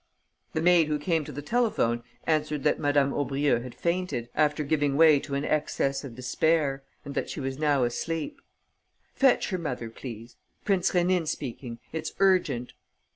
The maid who came to the telephone answered that Madame Aubrieux had fainted, after giving way to an access of despair, and that she was now asleep. "Fetch her mother, please. Prince Rénine speaking. It's urgent."